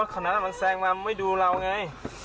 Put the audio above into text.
รถข้างนั้นมันแซงมามันไม่ดูเราไง